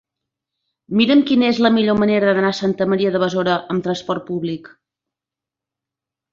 Mira'm quina és la millor manera d'anar a Santa Maria de Besora amb trasport públic.